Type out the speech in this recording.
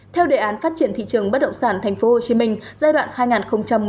theo đề án phát triển thị trường bất động sản tp hcm giai đoạn hai nghìn một mươi sáu hai nghìn hai mươi